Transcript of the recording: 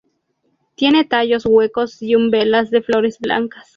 Tiene tallos huecos y umbelas de flores blancas.